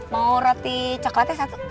mau roti coklatnya satu